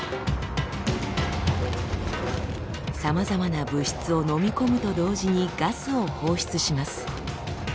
さまざまな物質をのみ込むと同時にガスを放出します。